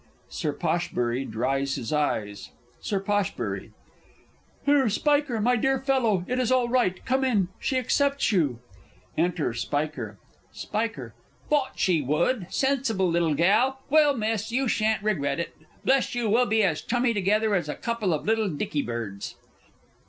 [Sir POSH. dries his eyes. Sir P. Here, Spiker, my dear fellow, it is all right. Come in. She accepts you. Enter SPIKER. Sp. Thought she would. Sensible little gal! Well, Miss, you shan't regret it. Bless you, we'll be as chummy together as a couple of little dicky birds.